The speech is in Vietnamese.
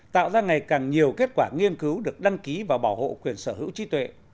tạo ra ngày càng nhiều kết quả nghiên cứu được đăng ký và bảo hộ quyền sở hữu trí tuệ